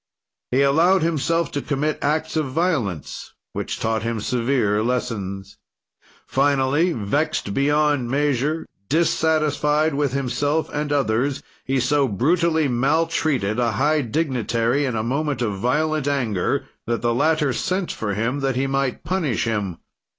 "He allowed himself to commit acts of violence which taught him severe lessons. "Finally, vexed beyond measure, dissatisfied with himself and others, he so brutally maltreated a high dignitary in a moment of violent anger that the latter sent for him that he might punish him.